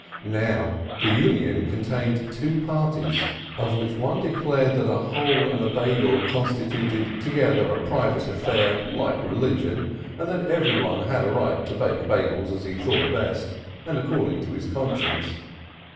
Now the Union contained 311 two parties, of which one declared that a hole and a Bei gel constituted together a private affair, like religion, and that everyone had a right to bake Beigels as he thought best, and according to his conscience.